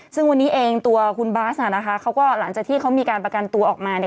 ซึ่งวันนี้เองตัวคุณบาสนะคะเขาก็หลังจากที่เขามีการประกันตัวออกมาเนี่ย